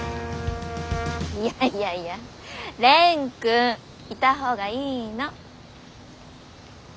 いやいやいや蓮くんいたほうがいいの。